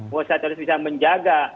wa shisatid bisa menjaga